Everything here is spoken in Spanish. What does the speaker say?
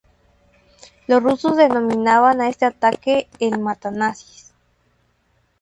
Los rusos denominaban a este tanque, el "Mata-nazis".